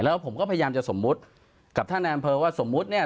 แล้วผมก็พยายามจะสมมุติกับท่านในอำเภอว่าสมมุติเนี่ย